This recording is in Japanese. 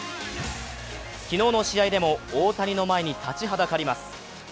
昨日の試合でも大谷の前に立ちはだかります。